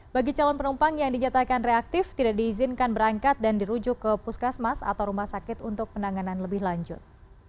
bagi calon penumpang yang dinyatakan reaktif tidak diizinkan berangkat dan dirujuk ke puskesmas atau rumah sakit untuk penanganan lebih lanjut